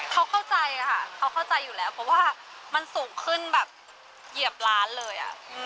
เขาเข้าใจค่ะเขาเข้าใจอยู่แล้วเพราะว่ามันสูงขึ้นแบบเหยียบล้านเลย